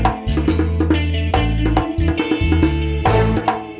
ntar masnya ajarin